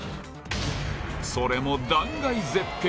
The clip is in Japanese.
それも断崖絶壁。